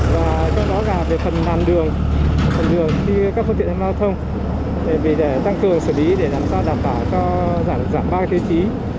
và trong đó gặp về phần nằn đường phần đường khi các phương tiện giao thông để tăng cường xử lý để làm sao đảm bảo cho giảm ba thế chí